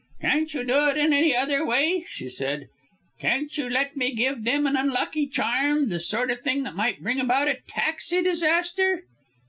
"Can't you do it in any other way," she said, "can't you let me give them an unlucky charm the sort of thing that might bring about a taxi disaster?"